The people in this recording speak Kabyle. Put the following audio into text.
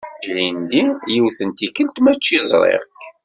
Ilindi yiwet n tikelt mačči ẓriɣ-k.